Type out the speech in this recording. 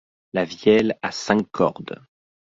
la vielle à cinq cordes.